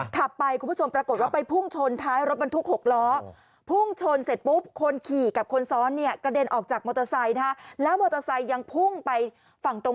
ครับไปคุณผู้ชมปรากฎว่าไปพุ่งชน